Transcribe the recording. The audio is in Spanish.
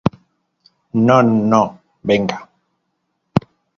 no. no, venga.